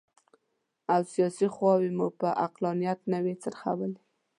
او سیاسي خواوې مو پر عقلانیت نه وي څرخولي.